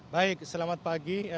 baik selamat pagi